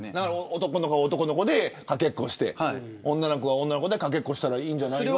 男の子は男の子でかけっこして女の子は女の子でかけっこしたらいい。